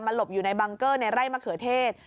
หลบอยู่ในบังเกอร์ในไร่มะเขือเทศ